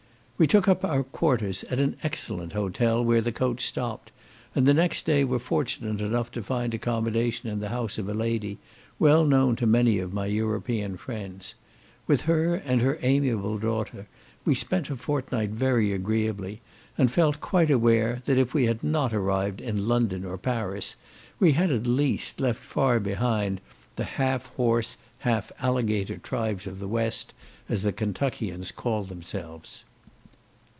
We took up our quarters at an excellent hotel, where the coach stopped, and the next day were fortunate enough to find accommodation in the house of a lady, well known to many of my European friends. With her and her amiable daughter, we spent a fortnight very agreeably, and felt quite aware that if we had not arrived in London or Paris, we had, at least, left far behind the "half horse, half alligator" tribes of the West, as the Kentuckians call themselves.